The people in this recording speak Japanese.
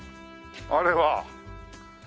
あれは。